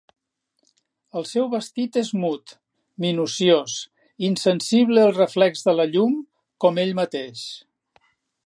El seu vestit és mut, minuciós, insensible al reflex de la llum, com ell mateix.